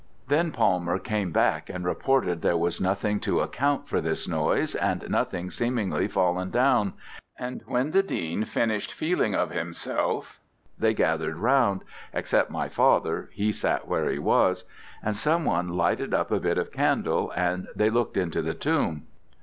"Then Palmer came back and reported there was nothing to account for this noise and nothing seemingly fallen down, and when the Dean finished feeling of himself they gathered round except my father, he sat where he was and some one lighted up a bit of candle and they looked into the tomb.